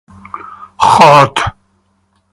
Hot.